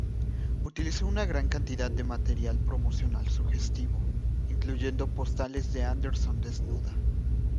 Utilizó una gran cantidad de material promocional sugestivo, incluyendo postales de Andersson desnuda.